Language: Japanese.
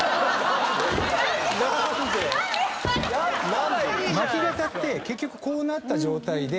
何で⁉巻き肩って結局こうなった状態で。